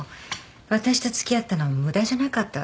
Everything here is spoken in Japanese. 私と付き合ったのも無駄じゃなかったわけね。